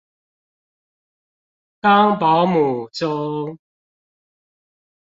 當保母中